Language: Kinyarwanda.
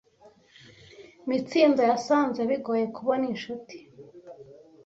Mitsindo yasanze bigoye kubona inshuti.